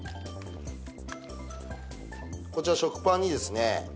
こちら食パンにですね